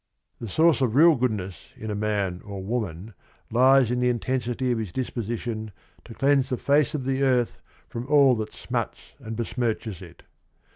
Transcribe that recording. The source of real goodness in a man or woman lies in the intensity of his disposition to cleanse the face of the earth from all that smuts and be smirches it.